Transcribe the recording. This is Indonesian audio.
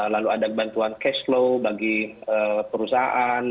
lalu ada bantuan cash flow bagi perusahaan